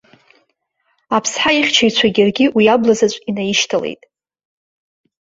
Аԥсҳа ихьчаҩцәагь иаргьы уи аблазаҵә инаишьҭалеит.